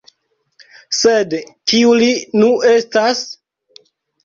Sed kiu li nu estas?.